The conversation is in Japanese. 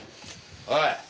おい！